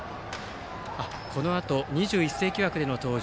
このあと２１世紀枠での登場